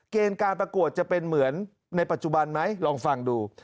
เกณฑ์การประกวดจะเป็นเหมือนในปัจจุบันไหมลองฟังดู